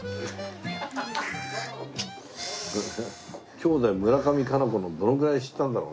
今日で村上佳菜子のどのぐらい知ったんだろうね？